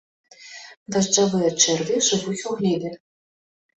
Дажджавыя чэрві жывуць у глебе.